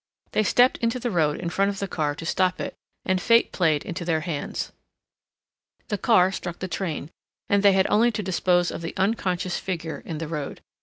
They stepped into the road in front of the car to stop it, and fate played into their hands. The car struck the train, and they had only to dispose of the unconscious figure in the road.